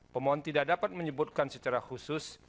pemohon tidak dapat menyebutkan secara khusus